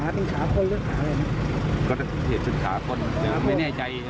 เห็นสุดขาคนไม่แน่ใจ